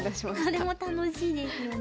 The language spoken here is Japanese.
それも楽しいですよね。